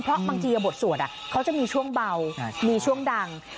เพราะบางทีบทสวดเขาจะมีช่วงเบามีช่วงดัง